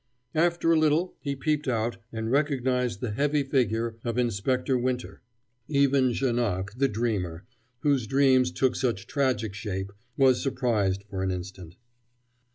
After a little he peeped out and recognized the heavy figure of Inspector Winter. Even Janoc, the dreamer, whose dreams took such tragic shape, was surprised for an instant.